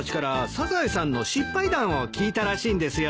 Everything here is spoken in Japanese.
サザエさんの失敗談を聞いたらしいんですよ。